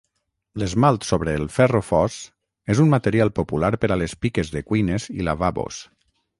L'esmalt sobre el ferro fos és un material popular per a les piques de cuines i lavabos.